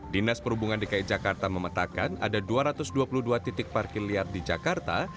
dinas perhubungan dki jakarta memetakkan ada dua ratus dua puluh dua titik parkir liar di jakarta